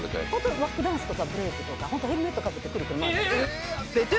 バックダンスとかブレイクとかホントヘルメットかぶってくるくる。